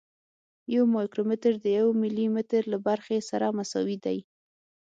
یو مایکرومتر د یو ملي متر له برخې سره مساوي دی.